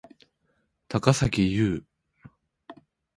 高咲侑